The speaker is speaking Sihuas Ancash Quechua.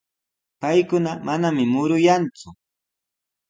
Paykuna manami muruyanku.